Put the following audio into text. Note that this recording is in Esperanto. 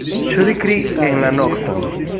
Ŝriki en la nokton!